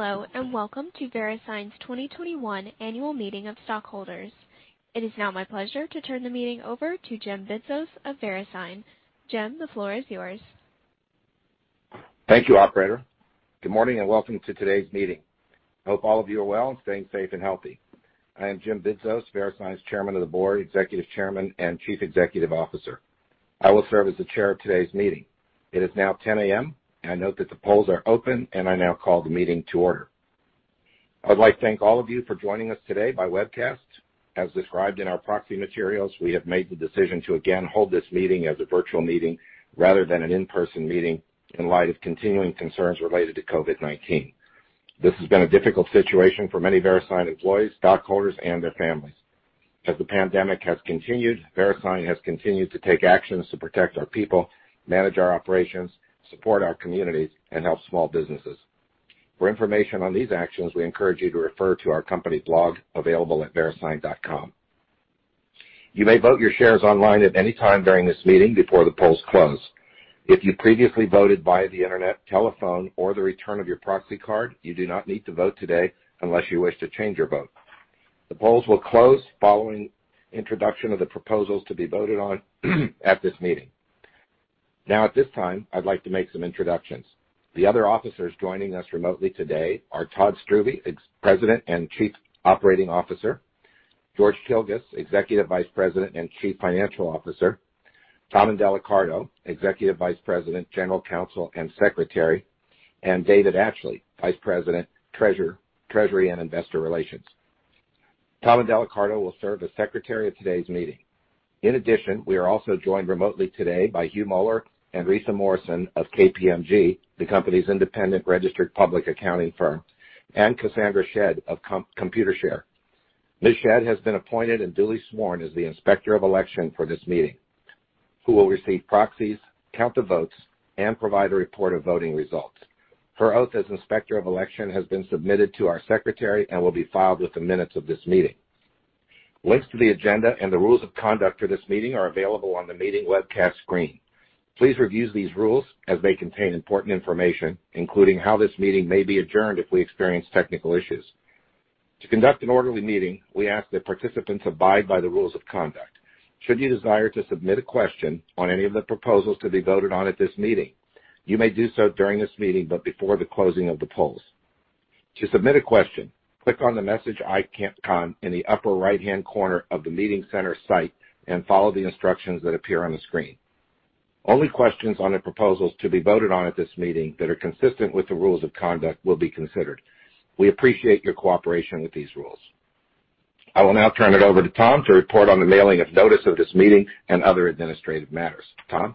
Hello, welcome to VeriSign's 2021 annual meeting of stockholders. It is now my pleasure to turn the meeting over to Jim Bidzos of VeriSign. Jim, the floor is yours. Thank you, operator. Good morning, and welcome to today's meeting. Hope all of you are well and staying safe and healthy. I am Jim Bidzos, VeriSign's Chairman of the Board, Executive Chairman, and Chief Executive Officer. I will serve as the chair of today's meeting. It is now 10:00 A.M., and I note that the polls are open, and I now call the meeting to order. I'd like to thank all of you for joining us today by webcast. As described in our proxy materials, we have made the decision to again hold this meeting as a virtual meeting rather than an in-person meeting in light of continuing concerns related to COVID-19. This has been a difficult situation for many VeriSign employees, stockholders, and their families. As the pandemic has continued, VeriSign has continued to take actions to protect our people, manage our operations, support our communities, and help small businesses. For information on these actions, we encourage you to refer to our company blog available at verisign.com. You may vote your shares online at any time during this meeting before the polls close. If you previously voted via the internet, telephone, or the return of your proxy card, you do not need to vote today unless you wish to change your vote. The polls will close following the introduction of the proposals to be voted on at this meeting. Now at this time, I'd like to make some introductions. The other officers joining us remotely today are Todd Strubbe, President and Chief Operating Officer. George Kilguss, Executive Vice President and Chief Financial Officer. Thomas Indelicarto, Executive Vice President, General Counsel, and Secretary, and David Atchley, Vice President, Treasury, and Investor Relations. Thomas Indelicarto will serve as secretary of today's meeting. In addition, we are also joined remotely today by Hugh Mohler and Risa Morrison of KPMG, the company's independent registered public accounting firm, and Cassandra Shedd of Computershare. Ms. Shedd has been appointed and duly sworn as the Inspector of Election for this meeting, who will receive proxies, count the votes, and provide a report of voting results. Her oath as Inspector of Election has been submitted to our secretary and will be filed with the minutes of this meeting. Links to the agenda and the rules of conduct for this meeting are available on the meeting webcast screen. Please review these rules as they contain important information, including how this meeting may be adjourned if we experience technical issues. To conduct an orderly meeting, we ask that participants abide by the rules of conduct. Should you desire to submit a question on any of the proposals to be voted on at this meeting, you may do so during this meeting, but before the closing of the polls. To submit a question, click on the message icon in the upper right-hand corner of the meeting center site and follow the instructions that appear on the screen. Only questions on the proposals to be voted on at this meeting that are consistent with the rules of conduct will be considered. We appreciate your cooperation with these rules. I will now turn it over to Tom to report on the mailing of notice of this meeting and other administrative matters. Tom?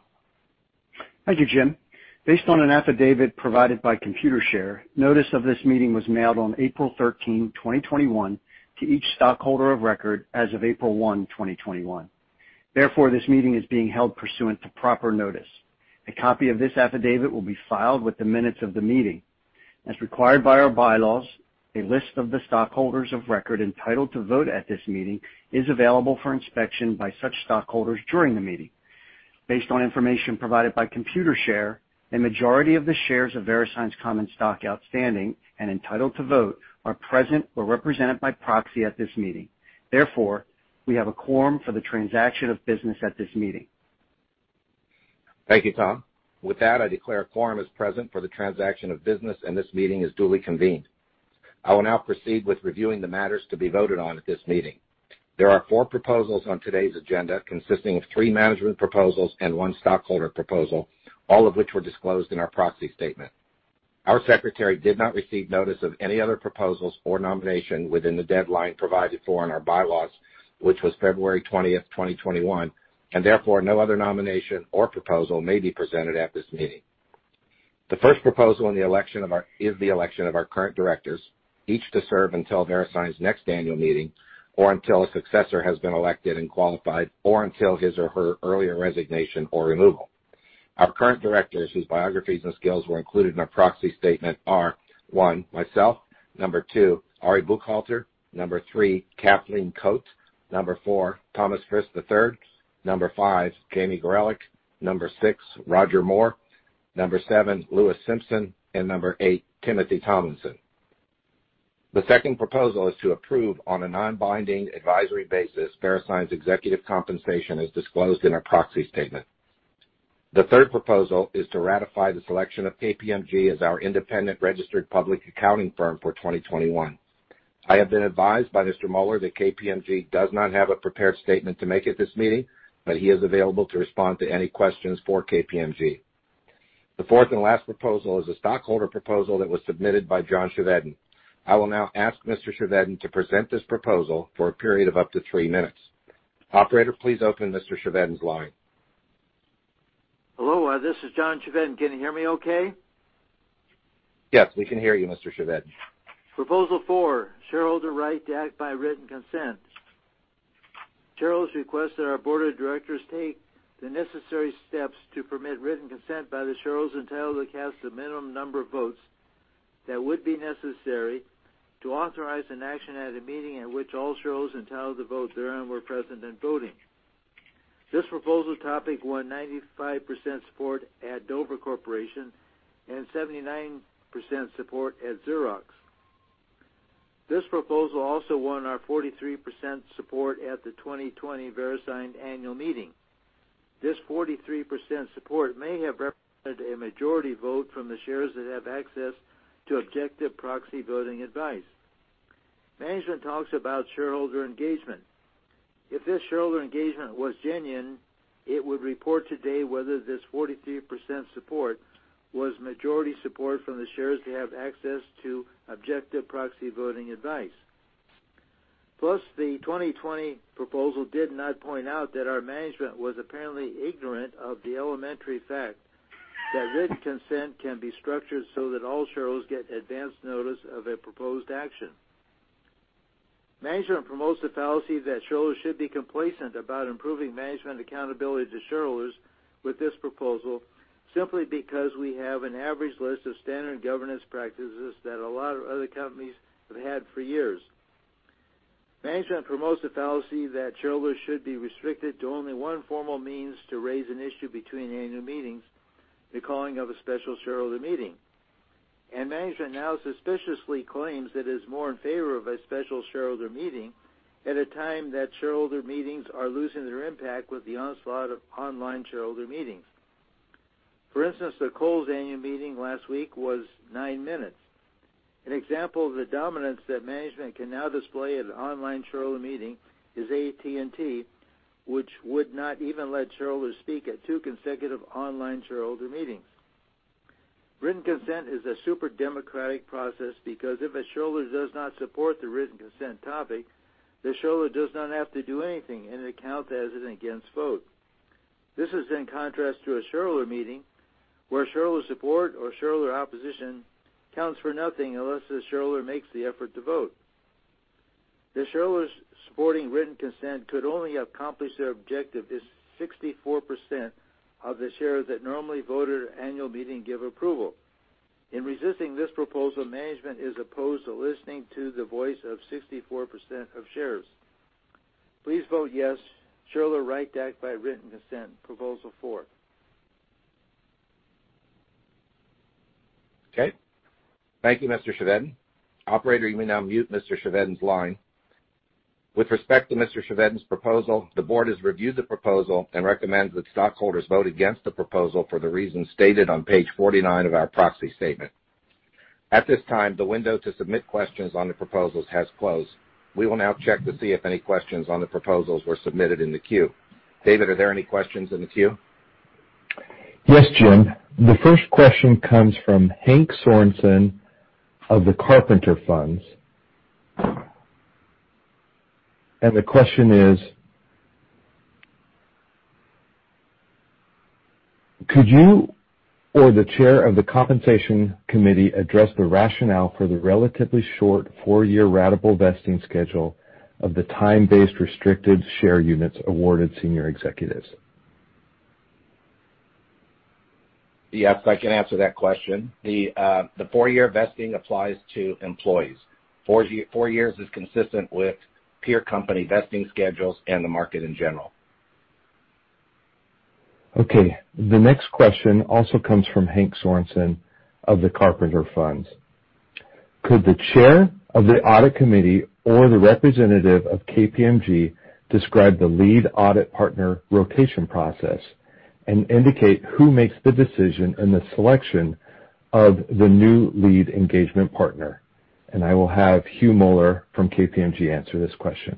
Thank you, Jim. Based on an affidavit provided by Computershare, notice of this meeting was mailed on April 13, 2021, to each stockholder of record as of April 1, 2021. This meeting is being held pursuant to proper notice. A copy of this affidavit will be filed with the minutes of the meeting. As required by our bylaws, a list of the stockholders of record entitled to vote at this meeting is available for inspection by such stockholders during the meeting. Based on information provided by Computershare, a majority of the shares of VeriSign's common stock outstanding and entitled to vote are present or represented by proxy at this meeting. We have a quorum for the transaction of business at this meeting. Thank you, Tom. With that, I declare a quorum is present for the transaction of business, and this meeting is duly convened. I will now proceed with reviewing the matters to be voted on at this meeting. There are four proposals on today's agenda, consisting of three management proposals and one stockholder proposal, all of which were disclosed in our proxy statement. Our secretary did not receive notice of any other proposals or nomination within the deadline provided for in our bylaws, which was February 20, 2021, and therefore, no other nomination or proposal may be presented at this meeting. The first proposal is the election of our current directors, each to serve until VeriSign's next annual meeting or until a successor has been elected and qualified, or until his or her earlier resignation or removal. Our current directors, whose biographies and skills were included in our proxy statement, are, one, myself. Number two, Ari Buchalter. Number three, Kathleen Cote. Number four, Thomas Frist III. Number five, Jamie Gorelick. Number six, Roger Moore. Number seven, Louis Simpson. Number eight, Timothy Tomlinson. The second proposal is to approve, on a non-binding advisory basis, VeriSign's executive compensation as disclosed in our proxy statement. The third proposal is to ratify the selection of KPMG as our independent registered public accounting firm for 2021. I have been advised by Mr. Mohler that KPMG does not have a prepared statement to make at this meeting, but he is available to respond to any questions for KPMG. The fourth and last proposal is a stockholder proposal that was submitted by John Chevedden. I will now ask Mr. Chevedden to present this proposal for a period of up to three minutes. Operator, please open Mr. Chevedden's line. Hello, this is John Chevedden. Can you hear me okay? Yes, we can hear you, Mr. Chevedden. Proposal four, shareholder right to act by written consent. Shareholders request that our board of directors take the necessary steps to permit written consent by the shareholders entitled to cast the minimum number of votes that would be necessary to authorize an action at a meeting at which all shareholders entitled to vote therein were present and voting. This proposal topic won 95% support at Dover Corporation and 79% support at Xerox. This proposal also won our 43% support at the 2020 VeriSign annual meeting. This 43% support may have represented a majority vote from the shares that have access to objective proxy voting advice. Management talks about shareholder engagement. If this shareholder engagement were genuine, it would report today whether this 43% support was majority support from the shares that have access to objective proxy voting advice. The 2020 proposal did not point out that our management was apparently ignorant of the elementary fact that written consent can be structured so that all shareholders get advance notice of a proposed action. Management promotes the fallacy that shareholders should be complacent about improving management accountability to shareholders with this proposal simply because we have an average list of standard governance practices that a lot of other companies have had for years. Management promotes the fallacy that shareholders should be restricted to only one formal means to raise an issue between annual meetings, the calling of a special shareholder meeting. Management now suspiciously claims that it is more in favor of a special shareholder meeting at a time that shareholder meetings are losing their impact with the onslaught of online shareholder meetings. For instance, the Kohl's annual meeting last week was nine minutes. An example of the dominance that management can now display at an online shareholder meeting is AT&T, which would not even let shareholders speak at two consecutive online shareholder meetings. Written consent is a super democratic process because if a shareholder does not support the written consent topic, the shareholder does not have to do anything, and it counts as an against vote. This is in contrast to a shareholder meeting, where shareholder support or shareholder opposition counts for nothing unless the shareholder makes the effort to vote. The shareholders supporting written consent could only accomplish their objective if 64% of the shares that normally vote at an annual meeting give approval. In resisting this proposal, management is opposed to listening to the voice of 64% of shares. Please vote yes on shareholder right to act by written consent, proposal four. Okay. Thank you, Mr. Chevedden. Operator, you may now mute Mr. Chevedden's line. With respect to Mr. Chevedden's proposal, the board has reviewed the proposal and recommends that stockholders vote against the proposal for the reasons stated on page 49 of our proxy statement. At this time, the window to submit questions on the proposals has closed. We will now check to see if any questions on the proposals were submitted in the queue. David, are there any questions in the queue? Yes, Jim. The first question comes from Hank Sorenson of the Carpenter Funds. The question is, Could you or the chair of the compensation committee address the rationale for the relatively short four-year ratable vesting schedule of the time-based restricted share units awarded senior executives? Yes, I can answer that question. The four-year vesting applies to employees. Four years is consistent with peer company vesting schedules and the market in general. Okay. The next question also comes from Hank Sorenson of the Carpenter Funds. Could the chair of the audit committee or the representative of KPMG describe the lead audit partner rotation process and indicate who makes the decision in the selection of the new lead engagement partner? I will have Hugh Mohler from KPMG answer this question.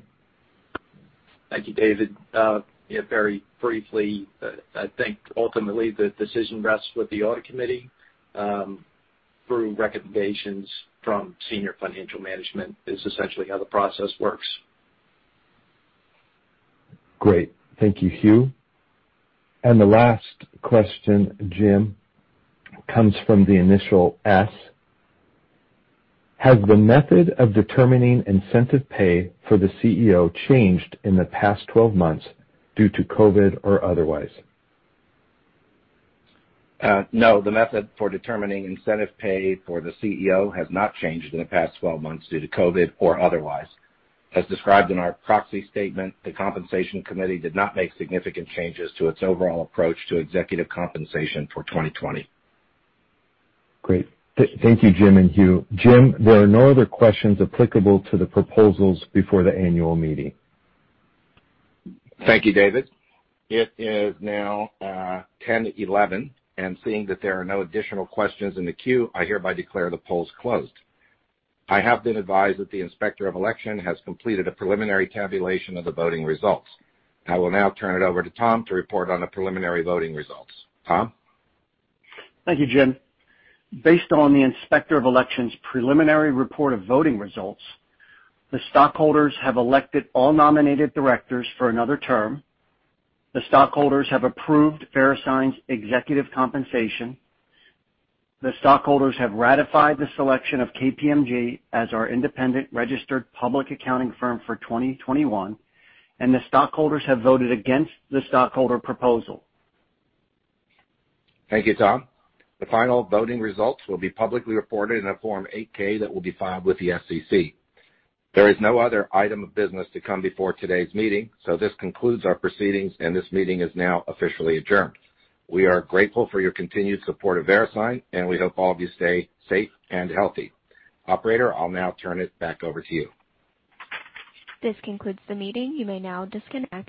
Thank you, David. Very briefly, I think ultimately the decision rests with the audit committee; through recommendations from senior financial management is essentially how the process works. Great. Thank you, Hugh. The last question, Jim, comes from the initial S. Has the method of determining incentive pay for the CEO changed in the past 12 months due to COVID or otherwise? No, the method for determining incentive pay for the CEO has not changed in the past 12 months due to COVID or otherwise. As described in our proxy statement, the compensation committee did not make significant changes to its overall approach to executive compensation for 2020. Great. Thank you, Jim and Hugh. Jim, there are no other questions applicable to the proposals before the annual meeting. Thank you, David. It is now 10:11 A.M. Seeing that there are no additional questions in the queue, I hereby declare the polls closed. I have been advised that the Inspector of Election has completed a preliminary tabulation of the voting results. I will now turn it over to Tom to report on the preliminary voting results. Tom? Thank you, Jim. Based on the Inspector of Elections' preliminary report of voting results, the stockholders have elected all nominated directors for another term. The stockholders have approved VeriSign's executive compensation. The stockholders have ratified the selection of KPMG as our independent registered public accounting firm for 2021, and the stockholders have voted against the stockholder proposal. Thank you, Tom. The final voting results will be publicly reported in a Form 8-K that will be filed with the SEC. There is no other item of business to come before today's meeting, so this concludes our proceedings, and this meeting is now officially adjourned. We are grateful for your continued support of VeriSign, and we hope all of you stay safe and healthy. Operator, I'll now turn it back over to you. This concludes the meeting. You may now disconnect.